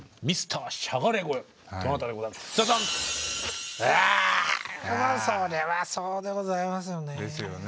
うわそれはそうでございますよね。